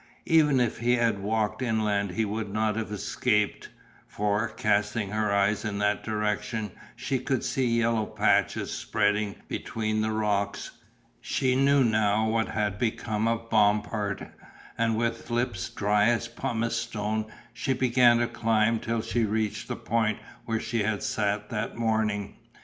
Even if he had walked inland he would not have escaped, for, casting her eyes in that direction she could see yellow patches spreading between the rocks. She knew now what had become of Bompard, and with lips dry as pumice stone she began to climb till she reached the point where she had sat that morning.